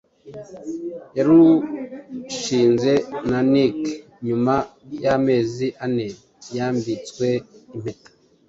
yarushinze na Nick nyuma y’amezi ane yambitswe impeta